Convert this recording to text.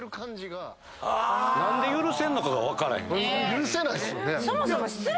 許せないっすよね。